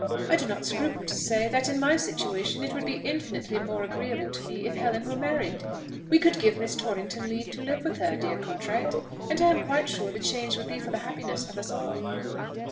I do not scruple to say, that in my situation it would be infinitely more agreeable to me if Helen were married, we could give Miss Torrington leave to live with her, dear Cartwright, and I am quite sure the change would be for the happiness of us all."